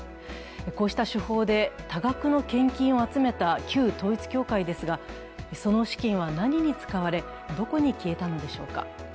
こうした手法で多額の献金を集めた旧統一教会ですが、その資金は何に使われどこに消えたのでしょうか。